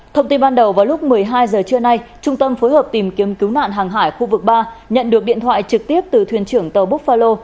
thông tin ban đầu vào lúc một mươi hai h trưa nay trung tâm phối hợp tìm kiếm cứu nạn hàng hải khu vực ba nhận được điện thoại trực tiếp từ thuyền trưởng tàu bookhalo